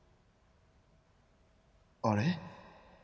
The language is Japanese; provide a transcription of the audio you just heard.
あれ？